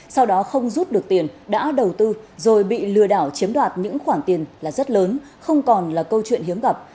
sau đó không rút được tiền đã đầu tư rồi bị lừa đảo chiếm đoạt những khoản tiền là rất lớn không còn là câu chuyện hiếm gặp